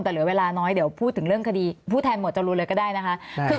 แต่เหลือเวลาน้อยเดี๋ยวพูดถึงเรื่องคดีผู้แทนหวดจรูนเลยก็ได้นะคะ